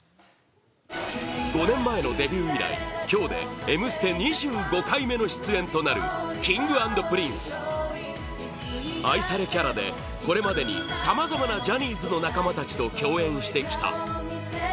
５年前のデビュー以来今日で「Ｍステ」２５回目の出演となるＫｉｎｇ＆Ｐｒｉｎｃｅ愛されキャラで、これまでにさまざまなジャニーズの仲間たちと共演してきた